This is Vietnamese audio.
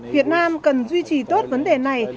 việt nam cần duy trì tốt vấn đề này